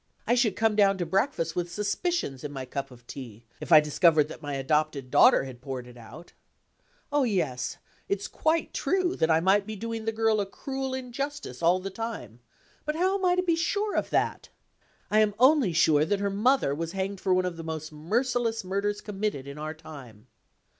I should come down to breakfast with suspicions in my cup of tea, if I discovered that my adopted daughter had poured it out. Oh, yes; it's quite true that I might be doing the girl a cruel injustice all the time; but how am I to be sure of that? I am only sure that her mother was hanged for one of the most merciless murders committed in our time.